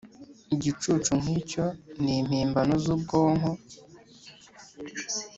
igicucu nkicyo ni impimbano zubwonko,